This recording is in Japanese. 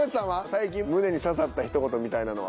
最近胸に刺さった一言みたいなのは。